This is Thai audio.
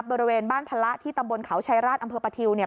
บริเวณบ้านพละที่ตำบลเขาชายราชอำเภอปะทิวเนี่ย